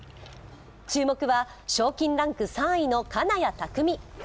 注目は賞金ランク３位の金谷拓実。